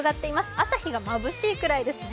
朝日がまぶしいくらいですね。